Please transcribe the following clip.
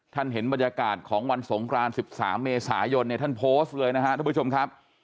เห็นบรรยากาศของวันสงคราน๑๓เมษายนเนี่ยท่านโพสต์เลยนะครับทุกผู้ชมครับ